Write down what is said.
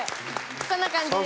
こんな感じで。